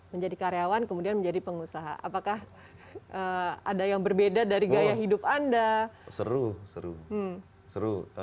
menjadi karyawan kemudian menjadi pengusaha apakah ada yang berbeda dari gaya hidup anda seru seru